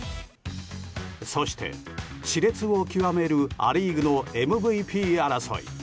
そして、熾烈を極めるア・リーグのＭＶＰ争い。